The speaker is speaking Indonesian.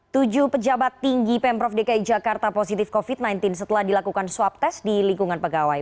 tujuh pejabat tinggi pemprov dki jakarta positif covid sembilan belas setelah dilakukan swab test di lingkungan pegawai